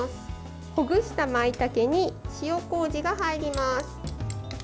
ほぐしたまいたけに塩こうじが入ります。